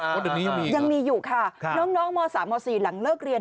วันนี้ยังมีอีกหรอยังมีอยู่ค่ะน้องม๓ม๔หลังเลิกเรียน